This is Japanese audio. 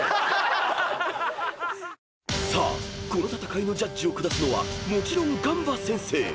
［さあこの戦いのジャッジを下すのはもちろん願羽先生］